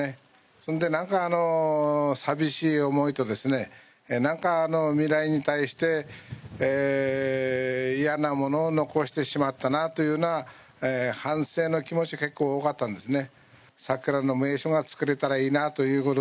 それで、なんか寂しい思いと、なんか未来に対して嫌なものを残してしまったなという反省の気持ちが結構多かったんですね。